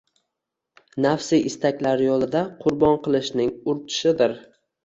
nafsiy istaklari yo‘lida qurbon qilishning urchishidir?